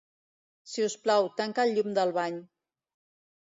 Si us plau, tanca el llum del bany.